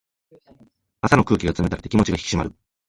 朝の空気が冷たくて気持ちが引き締まる。